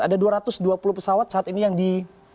ada dua ratus dua puluh pesawat saat ini yang di